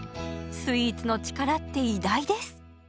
スイーツの力って偉大です！